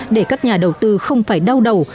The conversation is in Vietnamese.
để các nhà đầu tư không phải đau đầu